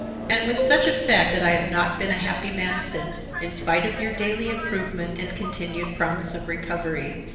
and with such effect, that I have not been a happy man since, in spite of your daily improvement and continued promise of recovery.